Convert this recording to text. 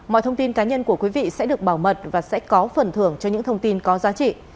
mọi thông tin cá nhân của quý vị sẽ được bảo mật và sẽ có phần thưởng cho những thông tin có giá trị